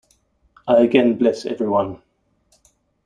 I again bless everyone.